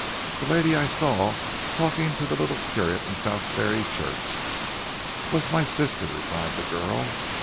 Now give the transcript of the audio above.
The lady I saw talking to the little curate in Southberry church!" "Was my sister," replied the girl.